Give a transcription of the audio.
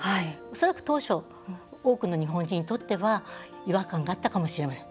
恐らく当初多くの日本人にとっては違和感があったかもしれません。